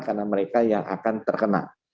karena mereka yang akan terkena